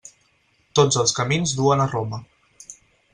Tots els camins duen a Roma.